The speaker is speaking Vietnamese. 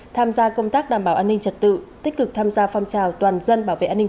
tham gia công tác đảm bảo an ninh trật tự tích cực tham gia phong trào toàn dân bảo vệ an ninh